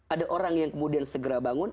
ada orang yang kemudian segera bangun